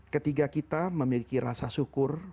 ketiga kita memiliki rasa syukur